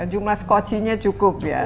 jumlah scotchie nya cukup ya